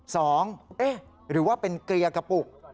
เอ๊ะหรือว่าเป็นเกลียกระปุก